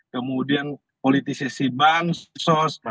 kemudian politisisi bank sos